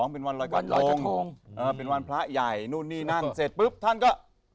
เป็นวันรอยกระทงเป็นวันพระใหญ่นู่นนี่นั่นเสร็จปุ๊บท่านก็